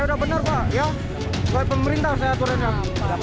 suat pemerintah saya aturannya